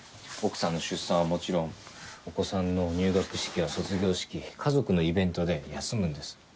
奥さんの出産はもちろんお子さんの入学式や卒業式家族のイベントで休むんです。